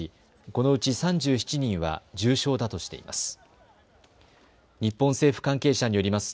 このうち３７人は重傷だとしています。